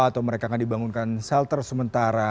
atau mereka akan dibangunkan shelter sementara